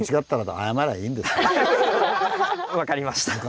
分かりました。